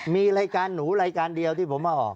มีรายการหนูรายการเดียวที่ผมมาออก